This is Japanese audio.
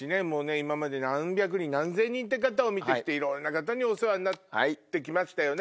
今まで何百人何千人って方を見て来ていろんな方にお世話になって来ましたよね。